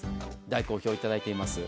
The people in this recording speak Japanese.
大好評いただいています。